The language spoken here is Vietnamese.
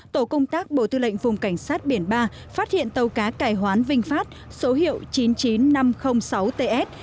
tổ công tác bộ tư lệnh vùng cảnh sát biển ba phát hiện tàu cá cải hoán vinh phát số hiệu chín mươi chín nghìn năm trăm linh sáu ts